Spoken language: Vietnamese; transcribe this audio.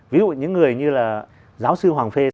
ví dụ những người như là giáo sư hoàng phê